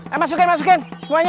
eh masukin masukin